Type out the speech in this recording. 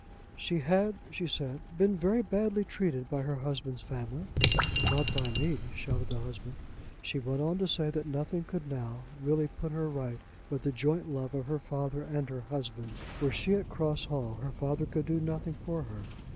"She had," she said, "been very badly treated by her husband's family." "Not by me," shouted the husband. She went on to say that nothing could now really put her right but the joint love of her father and her husband. Were she at Cross Hall her father could do nothing for her.